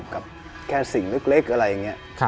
กับแค่สิ่งเล็กอะไรอย่างนี้